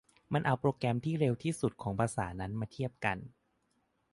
มันเอาโปรแกรมที่เร็วสุดของภาษานั้นมาเทียบกัน